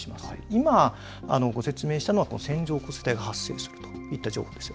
今、ご説明したのは線状降水帯が発生するという情報です。